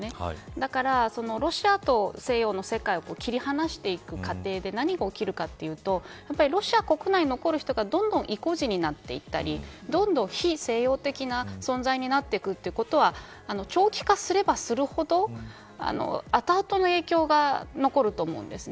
だから、ロシアと西欧の世界を切り離していく過程で何が起きるかというとやはりロシア国内に残る人がどんどん意固地になっていたりどんどん非西洋的な存在になっていくということは長期化すればするほど後々の影響が残ると思うんです。